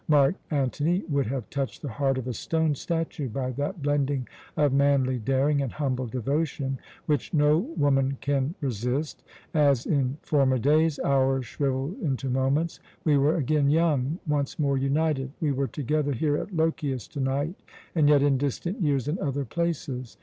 Mark Antony would have touched the heart of a stone statue by that blending of manly daring and humble devotion which no woman can resist. As in former days, hours shrivelled into moments. We were again young, once more united. We were together here at Lochias to night, and yet in distant years and other places.